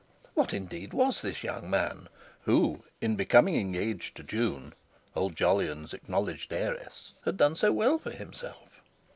What indeed was this young man, who, in becoming engaged to June, old Jolyon's acknowledged heiress, had done so well for himself?